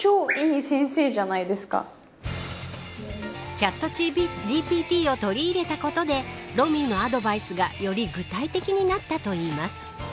チャットＧＰＴを取り入れたことでＲｏｍｉのアドバイスがより具体的になったといいます。